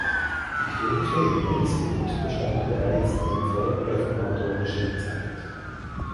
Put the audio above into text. Die Kirche in Mensguth bestand bereits in vorreformatorischer Zeit.